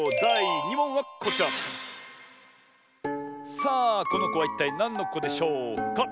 さあこのこはいったいなんのこでしょうか？